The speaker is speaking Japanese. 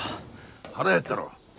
腹減ったろ。